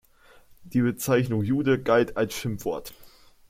Die Bezeichnung "Jude" galt als Schimpfwort.